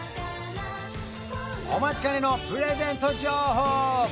お待ちかねのプレゼント情報